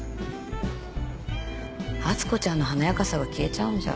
敦子ちゃんの華やかさが消えちゃうんじゃ？